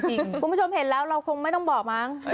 คุณผู้ชมเห็นแล้วเราคงไม่ต้องบอกมั้ง